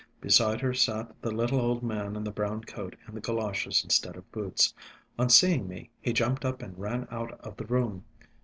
Beside her sat the little old man in the brown coat and the goloshes instead of boots. On seeing me, he jumped up and ran out of the room.